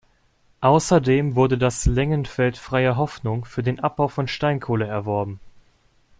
Außerdem wurde das Längenfeld Freie Hoffnung für den Abbau von Steinkohle erworben.